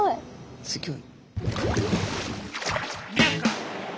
すギョい。